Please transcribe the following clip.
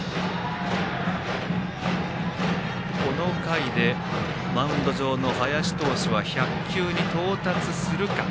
この回でマウンド上の林投手は１００球に到達するか。